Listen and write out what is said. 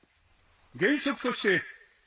現職として。